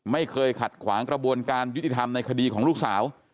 ไม่เคยขัดขวางกระบวนการยุติธรรมในคดีของลูกสาว